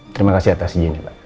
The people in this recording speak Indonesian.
terima kasih atas izinnya pak